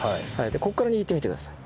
ここから握ってみてください。